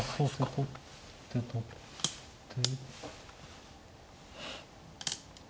取って取って。